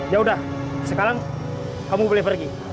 ya udah sekarang kamu boleh pergi